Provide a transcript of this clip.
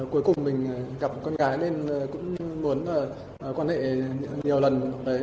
cuối cùng mình gặp con cái nên cũng muốn quan hệ nhiều lần